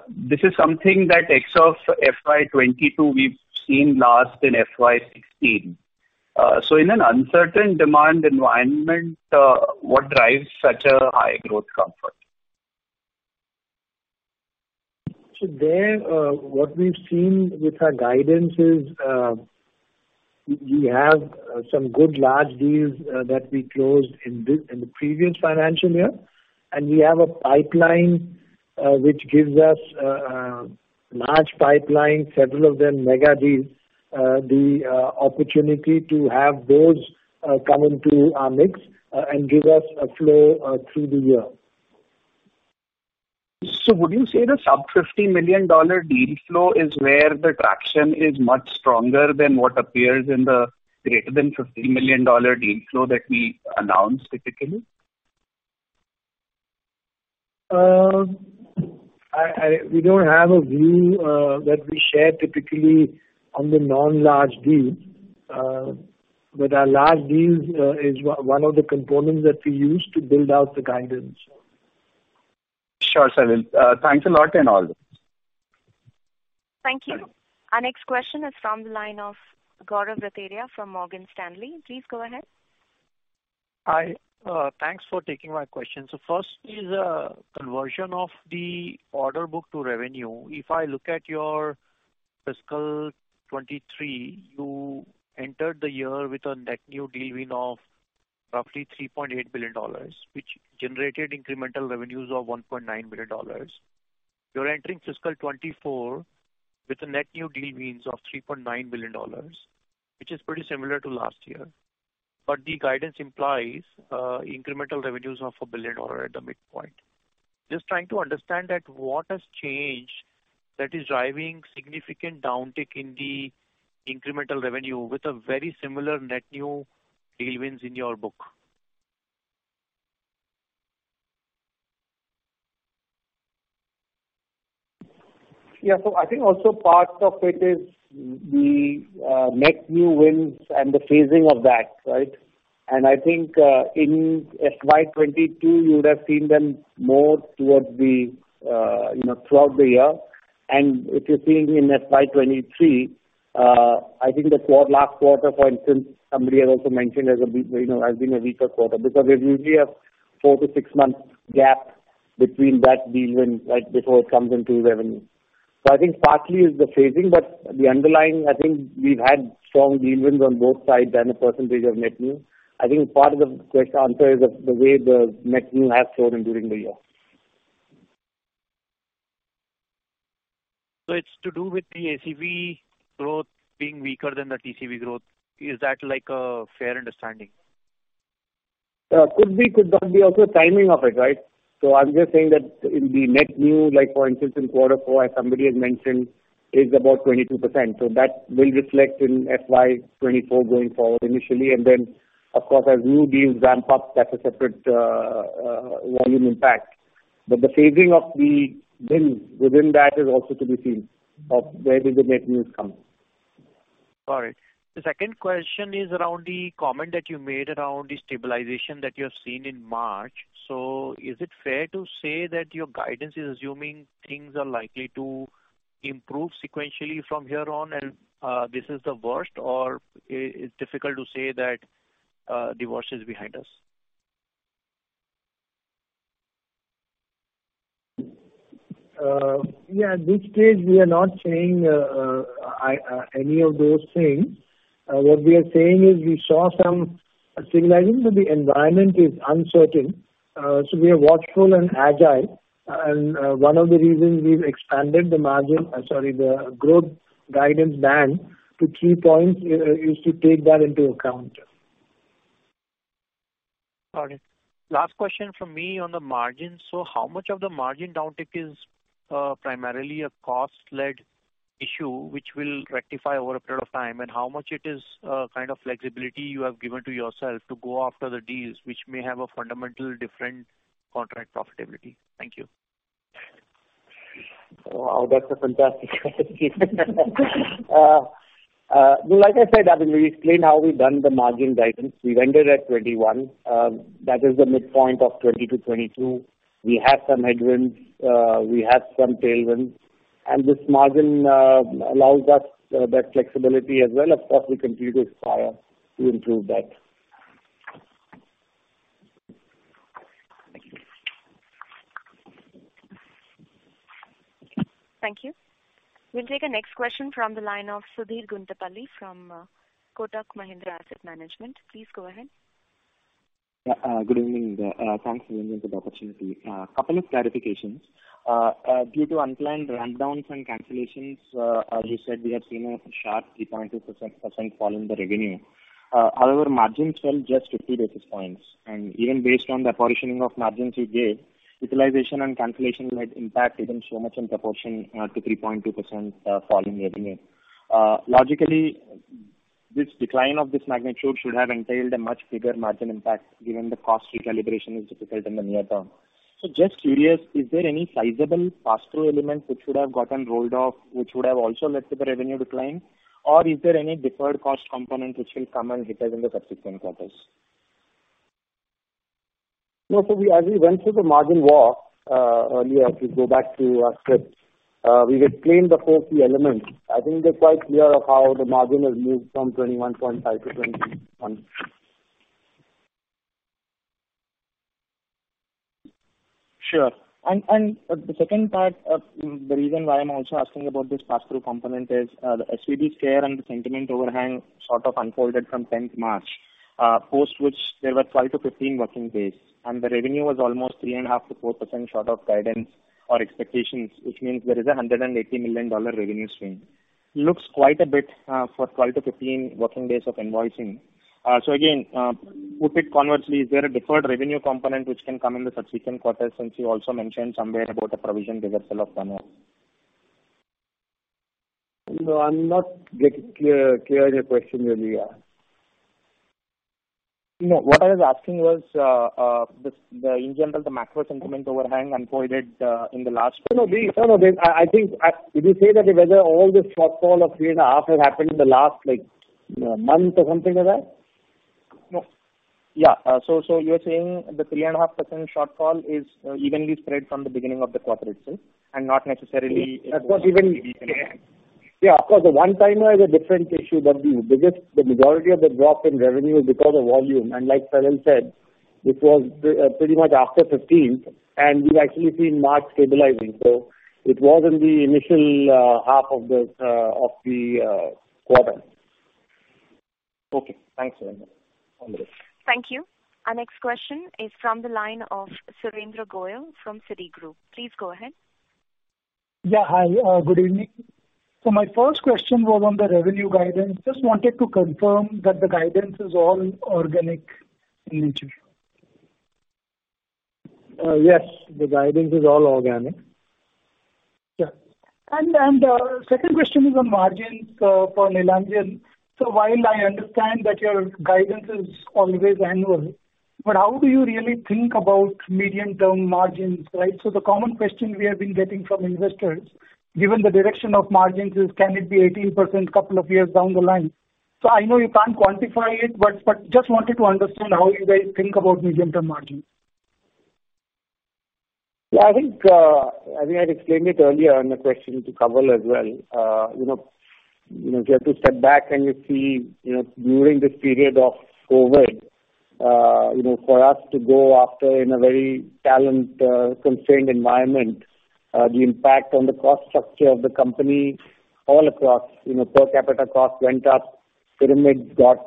This is something that ex of FY 2022 we've seen last in FY 2016. So in an uncertain demand environment, what drives such a high growth comfort?
There, what we've seen with our guidance is, we have some good large deals that we closed in the previous financial year, and we have a pipeline which gives us large pipeline, several of them mega deals. The opportunity to have those come into our mix and give us a flow through the year.
Would you say the sub $50 million deal flow is where the traction is much stronger than what appears in the greater than $50 million deal flow that we announce typically?
We don't have a view that we share typically on the non-large deals. Our large deals is one of the components that we use to build out the guidance.
Sure, Salil. Thanks a lot and all.
Thank you. Our next question is from the line of Gaurav Rateria from Morgan Stanley. Please go ahead.
Hi, thanks for taking my question. First is, conversion of the order book to revenue. If I look at your fiscal 2023, you entered the year with a net new deal win of roughly $3.8 billion, which generated incremental revenues of $1.9 million. You're entering fiscal 2024 with a net new deal wins of $3.9 billion, which is pretty similar to last year. The guidance implies, incremental revenues of $1 billion at the midpoint. Just trying to understand that what has changed that is driving significant downtick in the incremental revenue with a very similar net new deal wins in your book?
Yeah. I think also part of it is the net new wins and the phasing of that, right? I think in FY 2022, you would have seen them more towards the, you know, throughout the year. If you're seeing in FY 2023, I think the four last quarter, for instance, somebody has also mentioned you know, as being a weaker quarter because there's usually a four to six month gap between that deal win, right, before it comes into revenue. I think partly is the phasing, but the underlying, I think we've had strong deal wins on both sides and a percentage of net new. I think part of the quest answer is the way the net new has flown in during the year.
It's to do with the ACV growth being weaker than the TCV growth. Is that like a fair understanding?
Could be, could not be. Timing of it, right? I'm just saying that in the net new, like for instance in Q4 as somebody has mentioned, is about 22%. That will reflect in FY 2024 going forward initially. Of course, as new deals ramp up, that's a separate volume impact. The phasing of the wins within that is also to be seen of where did the net news come.
Got it. The second question is around the comment that you made around the stabilization that you have seen in March. Is it fair to say that your guidance is assuming things are likely to improve sequentially from here on and this is the worst, or it's difficult to say that the worst is behind us?
At this stage, we are not saying any of those things. What we are saying is we saw some signaling that the environment is uncertain, so we are watchful and agile. And one of the reasons we've expanded the growth guidance band to 3 points is to take that into account.
Got it. Last question from me on the margin. How much of the margin downtick is primarily a cost-led issue which will rectify over a period of time, and how much it is kind of flexibility you have given to yourself to go after the deals which may have a fundamental different contract profitability? Thank you.
Wow, that's a fantastic question. like I said, I mean, we explained how we've done the margin guidance. We've ended at 21%. That is the midpoint of 20%-22%. We have some headwinds, we have some tailwinds. This margin allows us that flexibility as well as possible computer power to improve that.
Thank you.
Thank you. We'll take our next question from the line of Sudheer Guntupalli from Kotak Mahindra Asset Management. Please go ahead.
Good evening, thanks for giving me the opportunity. Couple of clarifications. Due to unplanned rundowns and cancellations, as you said, we have seen a sharp 3.2% fall in the revenue. Margins fell just 50 basis points. Even based on the apportioning of margins you gave, utilization and cancellation might impact even so much in proportion to 3.2% fall in revenue. Logically, this decline of this magnitude should have entailed a much bigger margin impact given the cost recalibration is difficult in the near term. Just curious, is there any sizable pass-through elements which should have gotten rolled off, which would have also led to the revenue decline? Is there any deferred cost component which will come and hit us in the subsequent quarters?
No. We, as we went through the margin walk, earlier, if you go back to our script, we explained the four key elements. I think they're quite clear of how the margin has moved from 21.5%-21%.
Sure. The second part of the reason why I'm also asking about this pass-through component is the SVB scare and the sentiment overhang sort of unfolded from 10th March, post which there were 12-15 working days and the revenue was almost 3.5%-4% short of guidance or expectations, which means there is a $180 million revenue stream. Looks quite a bit for 12-15 working days of invoicing. Again, put it conversely, is there a deferred revenue component which can come in the subsequent quarters since you also mentioned somewhere about a provision reversal of some amount?
No, I'm not getting clear your question, Sudheer.
No, what I was asking was, the in general macro sentiment overhang unfolded, in the last-
No, no. No, no. I think, if you say that whether all this shortfall of 3.5% have happened in the last, like, month or something like that?
No. Yeah. You're saying the 3.5% shortfall is, evenly spread from the beginning of the quarter itself and not necessarily...
That was even. Yeah, of course. The one-timer is a different issue, the majority of the drop in revenue is because of volume. like Salil said, this was pretty much after fifteenth, and we've actually seen March stabilizing. it was in the initial half of the quarter.
Okay. Thanks very much.
Thank you. Our next question is from the line of Surendra Goyal from Citigroup. Please go ahead.
Yeah. Hi. good evening. my first question was on the revenue guidance. Just wanted to confirm that the guidance is all organic in nature.
Yes, the guidance is all organic.
Yeah. Second question is on margins, for Nilanjan. While I understand that your guidance is always annual, but how do you really think about medium-term margins, right? The common question we have been getting from investors, given the direction of margins, is can it be 18% couple of years down the line? I know you can't quantify it, but just wanted to understand how you guys think about medium-term margins.
Yeah. I think I explained it earlier in the question to Kawal as well. You know, if you have to step back and you see, you know, during this period of COVID, you know, for us to go after in a very talent constrained environment, the impact on the cost structure of the company all across, you know, per capita cost went up. Pyramids got,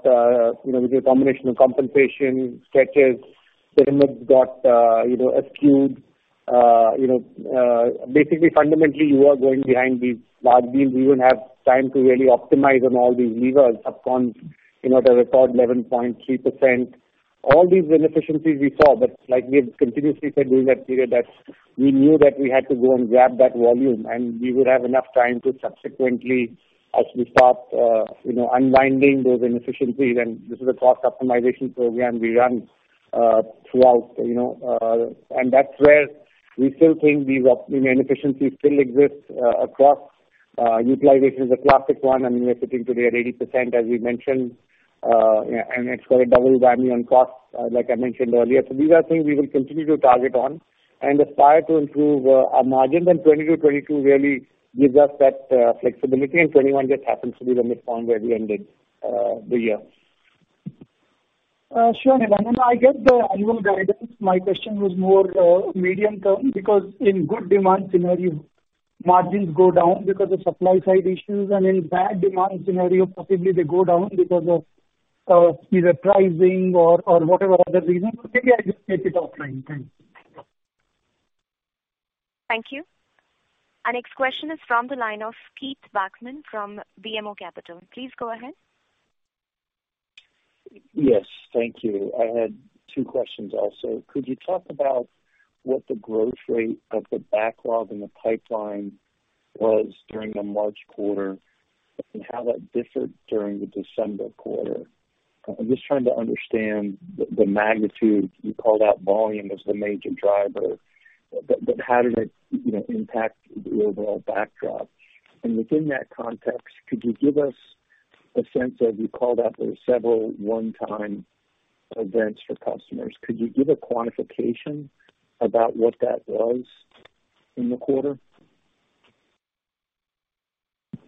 you know, with a combination of compensation, stretches, pyramids got, you know, skewed. You know, basically, fundamentally, you are going behind these large deals. We wouldn't have time to really optimize on all these levers, up fronts, you know, that record 11.3%. All these inefficiencies we saw, but like we have continuously said during that period that we knew that we had to go and grab that volume, and we would have enough time to subsequently, as we start, you know, unwinding those inefficiencies. This is a cost optimization program we run throughout, you know. That's where we still think these inefficiencies still exist across. Utilization is a classic one, and we're sitting today at 80%, as we mentioned. Yeah, it's got a double whammy on costs, like I mentioned earlier. These are things we will continue to target on and aspire to improve our margin. 2020 to 2022 really gives us that flexibility, and 2021 just happens to be the midpoint where we ended the year.
Sure, Nilanjan. I get the annual guidance. My question was more medium term because in good demand scenario, margins go down because of supply side issues and in bad demand scenario, possibly they go down because of either pricing or whatever other reason. Maybe I'll just take it offline. Thanks.
Thank you. Our next question is from the line of Keith Bachman from BMO Capital. Please go ahead.
Yes. Thank you. I had two questions also. Could you talk about what the growth rate of the backlog in the pipeline was during the March quarter and how that differed during the December quarter? I'm just trying to understand the magnitude. You called out volume as the major driver, but how did it, you know, impact the overall backdrop? Within that context, you called out there were several one-time events for customers. Could you give a quantification about what that was in the quarter?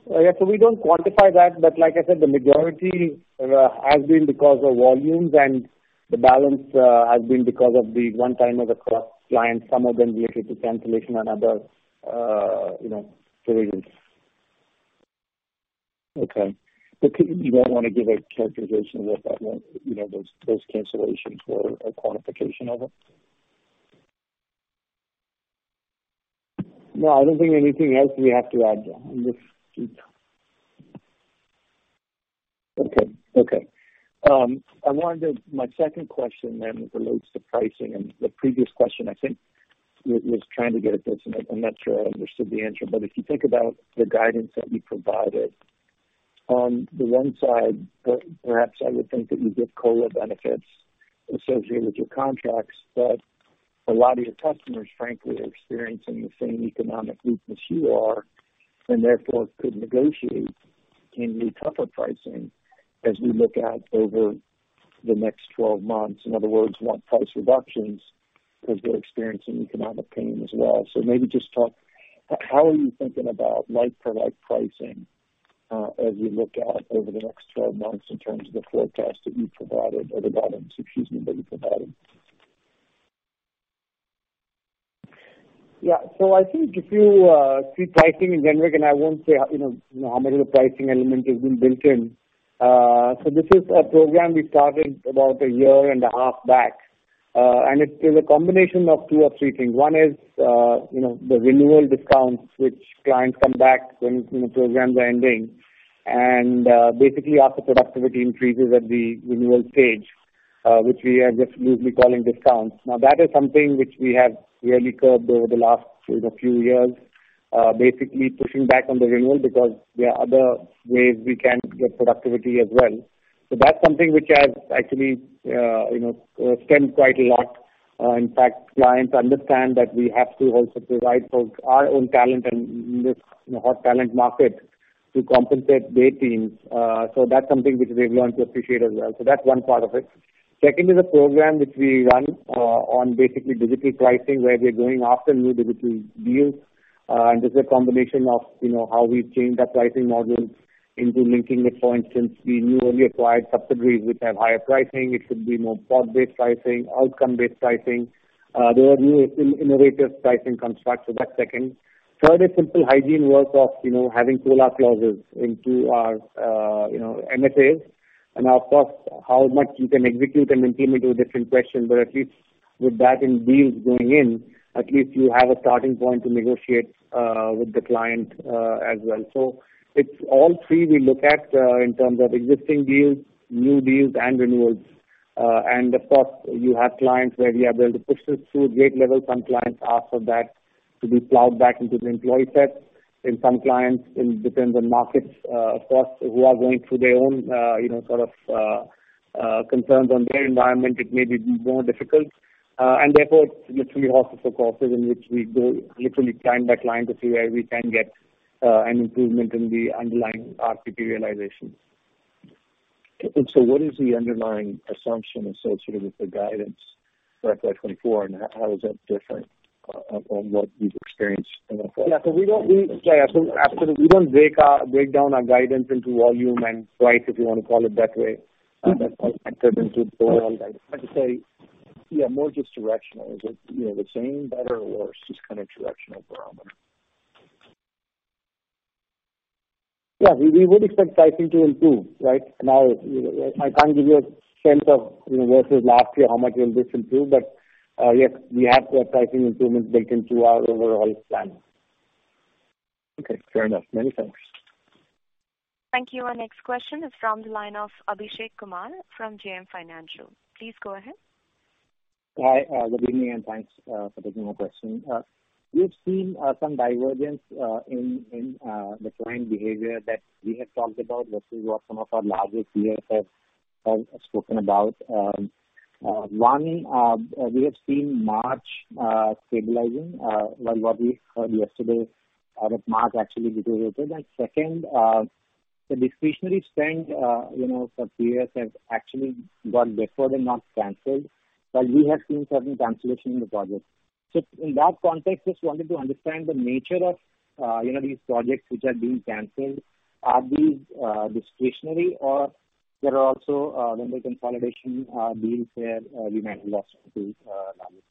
Yeah. We don't quantify that, but like I said, the majority has been because of volumes and the balance has been because of the one time of the cross clients, some of them related to cancellation and other, you know, reasons.
Okay. Do you want to give a characterization of that one, you know, those cancellations or a quantification of it?
No, I don't think anything else we have to add there.
Okay. Okay. My second question then relates to pricing. The previous question I think was trying to get at this, and I'm not sure I understood the answer. If you think about the guidance that you provided, on the one side, perhaps I would think that you get COLA benefits associated with your contracts, but a lot of your customers, frankly, are experiencing the same economic weakness you are and therefore could negotiate any tougher pricing as we look out over the next 12 months. In other words, want price reductions because they're experiencing economic pain as well. Maybe just talk, how are you thinking about like-for-like pricing as you look out over the next 12 months in terms of the forecast that you provided or the guidance, excuse me, that you provided?
I think if you see pricing in generic, and I won't say, you know, you know, how much of the pricing element has been built in. This is a program we started about a year and a half back. And it is a combination of two or three things. One is, you know, the renewal discounts which clients come back when, you know, programs are ending. And, basically our productivity increases at the renewal stage, which we are just loosely calling discounts. That is something which we have really curbed over the last, you know, few years, basically pushing back on the renewal because there are other ways we can get productivity as well. That's something which has actually, you know, stemmed quite a lot. In fact, clients understand that we have to also provide for our own talent in this, you know, hot talent market, to compensate their teams. That's something which we've learned to appreciate as well. That's one part of it. Second is a program which we run, on basically digital pricing, where we're going after new digital deals. This is a combination of, you know, how we've changed our pricing models into linking it. For instance, the newly acquired subsidiaries which have higher pricing, it could be more product-based pricing, outcome-based pricing. There are new innovative pricing constructs. That's second. Third is simple hygiene work of, you know, having pull-out clauses into our, you know, MFAs. Of course, how much you can execute and implement is a different question. At least with that in deals going in, at least you have a starting point to negotiate with the client as well. It's all three we look at in terms of existing deals, new deals and renewals. Of course, you have clients where we are able to push this through gate level. Some clients ask for that to be plowed back into the employee set. Some clients, it depends on markets, of course, who are going through their own, you know, sort of, concerns on their environment. It may be more difficult. Therefore it's literally horse before cart in which we go literally client by client to see where we can get an improvement in the underlying RTP realization.
What is the underlying assumption associated with the guidance for FY 2024, and how is that different, on what you've experienced in the past?
Yeah. Yeah. Absolutely. We don't break down our guidance into volume and price, if you wanna call it that way.
Mm-hmm.
That's all entered into the overall guidance.
I have to say, yeah, more just directional. Is it, you know, the same, better or just kind of directional parameter?
Yeah. We would expect pricing to improve, right? Now, you know, I can't give you a sense of, you know, versus last year how much we anticipate to improve. Yes, we have the pricing improvements baked into our overall plan.
Okay. Fair enough. Many thanks.
Thank you. Our next question is from the line of Abhishek Kumar from JM Financial. Please go ahead.
Hi, good evening, and thanks for taking my question. We've seen some divergence in the client behavior that we have talked about versus what some of our larger peers have spoken about. One, we have seen March stabilizing, while what we heard yesterday out of March actually deteriorated. Second, the discretionary spend, you know, some peers have actually got deferred and not canceled. While we have seen certain cancellation in the projects. In that context, just wanted to understand the nature of, you know, these projects which are being canceled. Are these discretionary or there are also vendor consolidation deals where we might lost to larger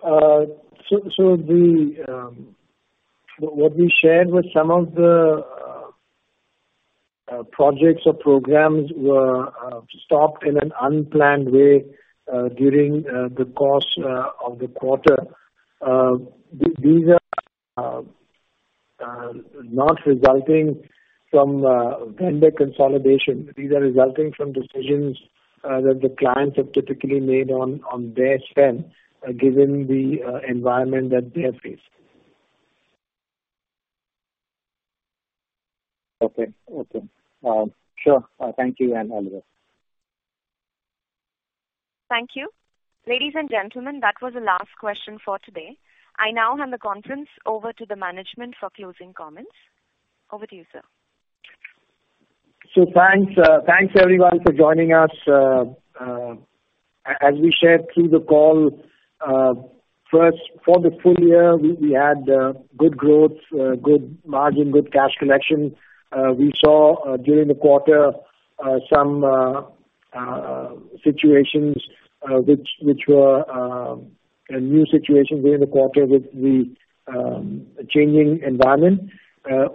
peers?
The, what we shared was some of the projects or programs were stopped in an unplanned way during the course of the quarter. These are not resulting from vendor consolidation. These are resulting from decisions that the clients have typically made on their spend given the environment that they face.
Okay. Okay. sure. thank you, and have a good day.
Thank you. Ladies and gentlemen, that was the last question for today. I now hand the conference over to the management for closing comments. Over to you, sir.
Thanks, thanks everyone for joining us. As we shared through the call, first for the full year, we had good growth, good margin, good cash collection. We saw during the quarter some situations which were new situations during the quarter with the changing environment.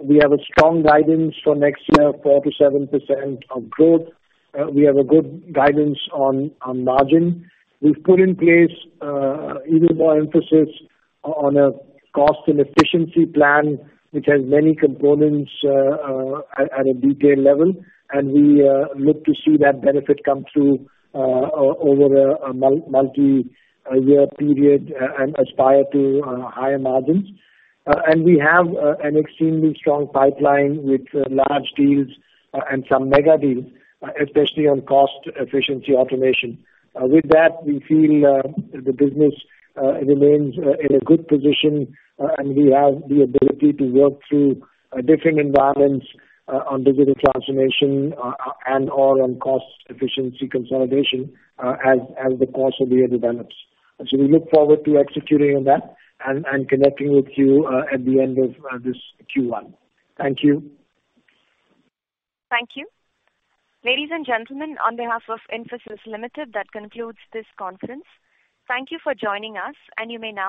We have a strong guidance for next year, 4%-7% of growth. We have a good guidance on margin. We've put in place even more emphasis on cost and efficiency plan, which has many components at a detailed level. We look to see that benefit come through over a multi-year period and aspire to higher margins. And we have an extremely strong pipeline with large deals and some mega deals, especially on cost efficiency automation. With that, we feel the business remains in a good position and we have the ability to work through different environments on digital transformation and/or on cost efficiency consolidation as the course of the year develops. We look forward to executing on that and connecting with you at the end of this Q1. Thank you.
Thank you. Ladies and gentlemen, on behalf of Infosys Limited, that concludes this conference. Thank you for joining us. You may now disconnect.